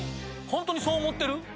ホントにそう思ってる？